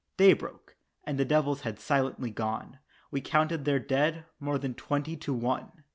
Day broke, and the devils had silently gone, We counted their dead, more than twenty to one!